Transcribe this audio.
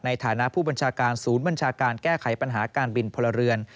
ในฐานะผู้บัญชาการศูนย์บัญชาการแก้ไขปัญหาการบินพลเรือน